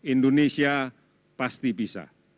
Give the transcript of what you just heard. indonesia pasti bisa